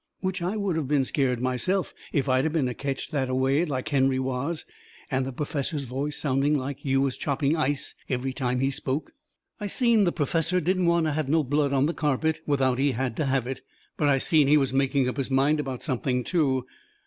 Which I would of been scared myself if I'd a been ketched that a way like Henry was, and the perfessor's voice sounding like you was chopping ice every time he spoke. I seen the perfessor didn't want to have no blood on the carpet without he had to have it, but I seen he was making up his mind about something, too.